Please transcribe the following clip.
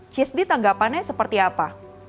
cisdi tanggapannya seperti apa